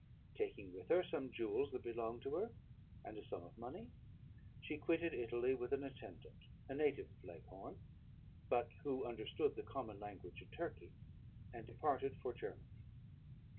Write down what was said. Taking with her some jewels that belonged to her, and a sum of money, she quitted Italy with an attendant, a native of Leghorn, but who understood the common language of Turkey, and departed for Germany.